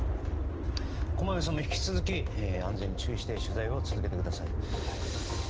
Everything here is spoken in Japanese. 駒見さんも引き続き安全に注意して取材を続けてください。